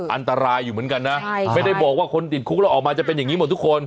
อันตรายอยู่เหมือนกันนะไม่ได้บอกว่าคนติดคุกแล้วออกมาจะเป็นอย่างนี้หมดทุกคน